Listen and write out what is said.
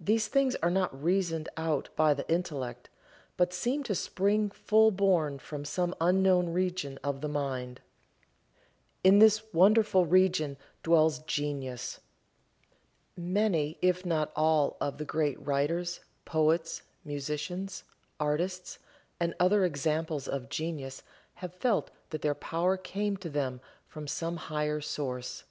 These things are not reasoned out by the intellect, but seem to spring full born from some unknown region of the mind. In this wonderful region dwells Genius. Many, if not all of the great writers, poets, musicians, artists and other examples of genius have felt that their power came to them from some higher source.